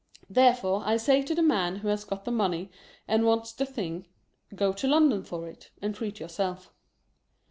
Therefore, I say to the man who has got the money, and wants the thing, " Go to Lon don for it, and treat yourself."